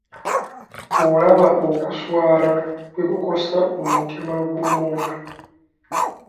Olaba okuswala bwe kukosa omutima gw'omuntu?